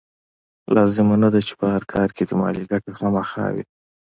لازمه نه ده چې په هر کار کې دې مالي ګټه خامخا وي.